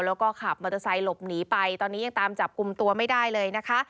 แล้วก็ขับมอเตอร์ไซค์หลบหนีไปตอนนี้ยังตามจับกลุ่มตัวไม่ได้เลยนะคะ